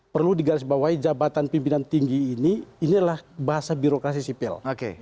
perlu digarisbawahi jabatan pimpinan tinggi ini ini adalah bahasa birokrasi sipil